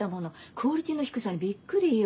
クオリティーの低さにびっくりよ。